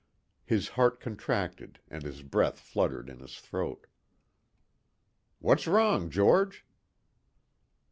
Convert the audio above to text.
His heart contracted and his breath fluttered in his throat. "What's wrong, George?"